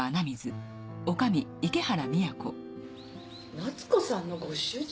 夏子さんのご主人？